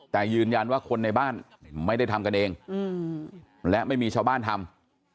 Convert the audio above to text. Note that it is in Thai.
แต่ยืนยันว่าคนในบ้านไม่ได้ทำกันเองและไม่มีชาวบ้านทำ